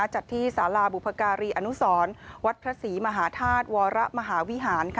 จัดที่สาราบุพการีอนุสรวัดพระศรีมหาธาตุวรมหาวิหาร